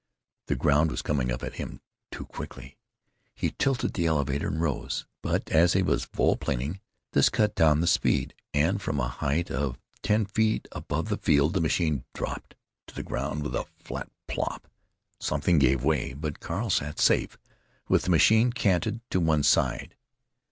The ground was coming up at him too quickly. He tilted the elevator, and rose. But, as he was volplaning, this cut down the speed, and from a height of ten feet above a field the machine dropped to the ground with a flat plop. Something gave way—but Carl sat safe, with the machine canted to one side.